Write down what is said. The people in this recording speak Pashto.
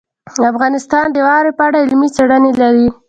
افغانستان د واوره په اړه علمي څېړنې لري.